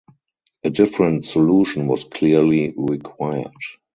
A different solution was clearly required.